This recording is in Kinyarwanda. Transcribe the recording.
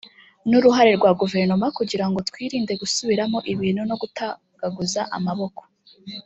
n’uruhare rwa guverinoma kugira ngo twirinde gusubiramo ibintu no gutagaguza amaboko